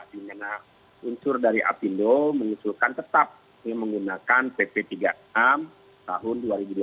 di mana unsur dari apindo mengusulkan tetap menggunakan pp tiga puluh enam tahun dua ribu dua puluh